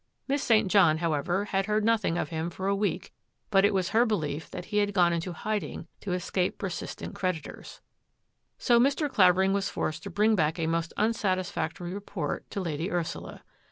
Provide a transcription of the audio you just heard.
Miss St. John, however, had heard noth ing of him for a week, but it was her belief that he had gone into hiding to escape persistent credi tors. So Mr. Clavering was forced to bring back a mosrt unsatisfactory report to Lady Ursula.